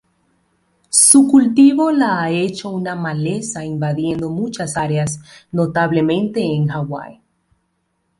Su cultivo la ha hecho una maleza invadiendo muchas áreas, notablemente en Hawái.